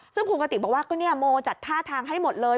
ซึ่งคุณกะติกบอกว่าโมจัดท่าทางให้หมดเลย